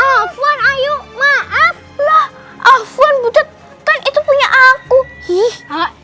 afwan ayu maaflah afwan butet kan itu punya aku hih